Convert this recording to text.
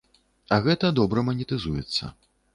А гэта добра манетызуецца.